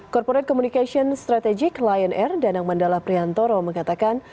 korporat komunikasi strategik lion air dan angmandala priantoro mengatakan